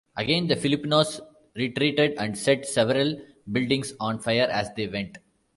Again the Filipinos retreated and set several buildings on fire as they went.